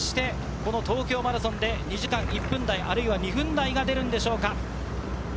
東京マラソンで２時間１分台、２分台が出るんでしょうか？